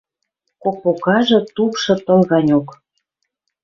Кок покажы, тупшы тыл ганьок.